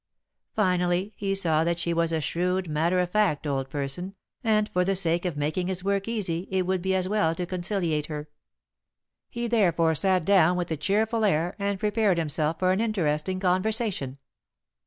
Finally, he saw that she was a shrewd, matter of fact old person, and for the sake of making his work easy it would be as well to conciliate her. He therefore sat down with a cheerful air, and prepared himself for an interesting conversation.